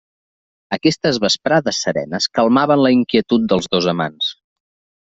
Aquestes vesprades serenes calmaven la inquietud dels dos amants.